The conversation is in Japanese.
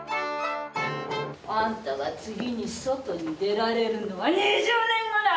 あんたが次に外に出られるのは２０年後だ！